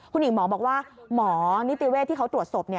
คุณหญิงหมอบอกว่าหมอนิติเวศที่เขาตรวจศพ